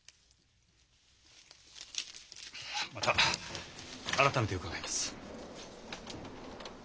また改めて伺います。